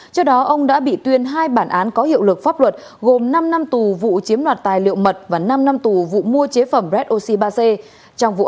xin chào các bạn